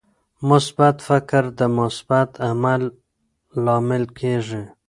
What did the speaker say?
مثبت فکر د مثبت عمل لامل کیږي.